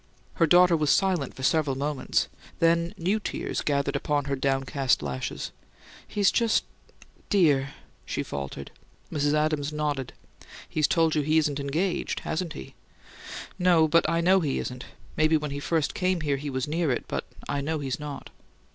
Her daughter was silent for several moments; then new tears gathered upon her downcast lashes. "He's just dear!" she faltered. Mrs. Adams nodded. "He's told you he isn't engaged, hasn't he?" "No. But I know he isn't. Maybe when he first came here he was near it, but I know he's not."